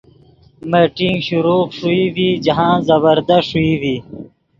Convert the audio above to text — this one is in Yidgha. میٹنگ ݰوئی ڤی جاہند زبردست ݰوئی ڤی۔